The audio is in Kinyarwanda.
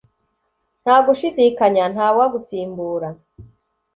ntagushidikanya ntawagusimbura